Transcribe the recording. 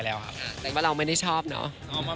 แต่เราไม่ได้ชอบเนาะ